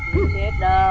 không biết đâu